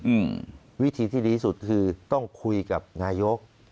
อืมวิธีที่ดีที่สุดคือต้องคุยกับนายก